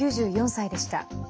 ９４歳でした。